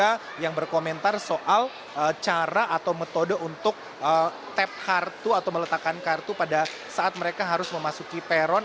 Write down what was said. ada yang berkomentar soal cara atau metode untuk tap kartu atau meletakkan kartu pada saat mereka harus memasuki peron